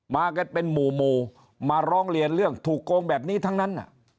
มากันเป็นหมู่มาร้องเรียนเรื่องถูกโกงแบบนี้ทั้งนั้น